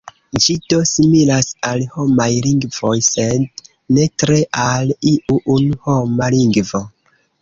Ĝi do similas al homaj lingvoj, sed ne tre al iu unu homa lingvo.